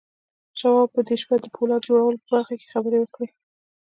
شواب په دې شپه د پولاد جوړولو په برخه کې خبرې وکړې.